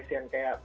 bersong untuk aku